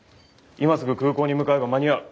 今すぐ空港に向かえば間に合う。